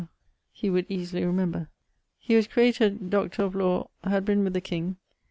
he would easily remember. He was created Dr. of LL.; had been with the king.